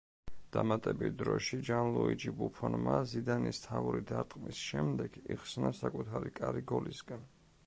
დამატებით დროში ჯანლუიჯი ბუფონმა ზიდანის თავური დარტყმის შემდეგ იხსნა საკუთარი კარი გოლისგან.